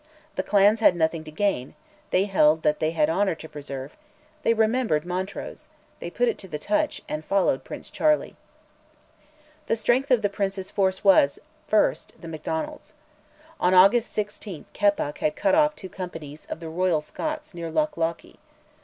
The clans had nothing to gain; they held that they had honour to preserve; they remembered Montrose; they put it to the touch, and followed Prince Charlie. The strength of the Prince's force was, first, the Macdonalds. On August 16 Keppoch had cut off two companies of the Royal Scots near Loch Lochy.